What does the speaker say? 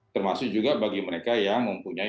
termasuk juga bagi mereka yang mempunyai